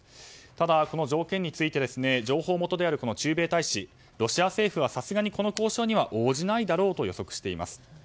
ただ、この条件に付いて情報元である駐米大使ロシア政府はさすがにこの条件には応じないだろうと予測しています。